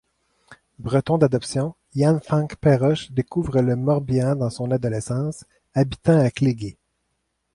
Breton d'adoption, Yann-Fañch Perroches découvre le Morbihan dans son adolescence, habitant à Cléguer.